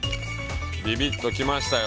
ビビっときましたよ。